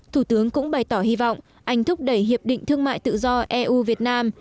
thủ tướng cũng bày tỏ hy vọng anh thúc đẩy hiệp định thương mại tự do eu việt nam